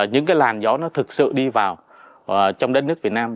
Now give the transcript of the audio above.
những cái làn gió nó thực sự đi vào trong đất nước việt nam